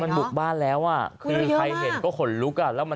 มันบุกบ้านแล้วอ่ะคือใครเห็นก็ขนลุกอ่ะแล้วมัน